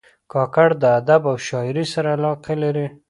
کاکړ د ادب او شاعرۍ سره علاقه لري.